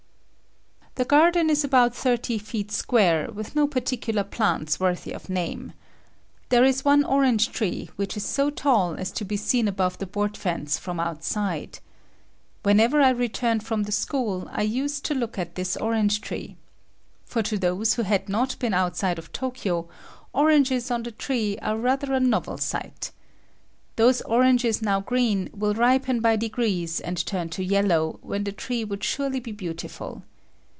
The garden is about thirty feet square, with no particular plants worthy of name. There is one orange tree which is so tall as to be seen above the board fence from outside. Whenever I returned from the school I used to look at this orange tree. For to those who had not been outside of Tokyo, oranges on the tree are rather a novel sight. Those oranges now green will ripen by degrees and turn to yellow, when the tree would surely be beautiful.